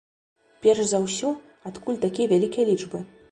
Перш за ўсё, адкуль такія вялікія лічбы?